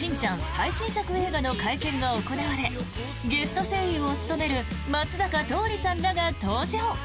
最新作映画の会見が行われゲスト声優を務める松坂桃李さんらが登場。